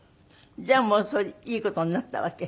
じゃあもうそれでいい事になったわけ？